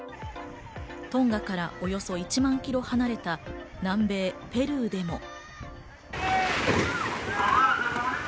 トンガからおよそ１万キロ離れた南米ペルーでも。